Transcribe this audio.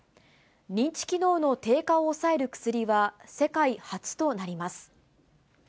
認知機能の低下を抑える薬は、世界初となります。